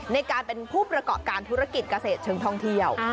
ในการเป็นผู้ประกอบการธุรกิจเกษตรเชิงท่องเที่ยว